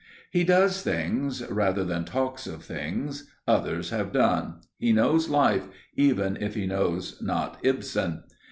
He does things, rather than talks of things others have done he knows life, even if he knows not Ibsen.